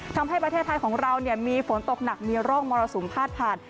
ทำให้ประเทศไทยของเรามีฝนตกหนักมีร่องมรสุมพาดผ่าน